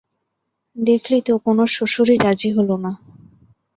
দেখলি তো কোনো শ্বশুরই রাজি হল না।